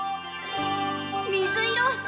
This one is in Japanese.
水色！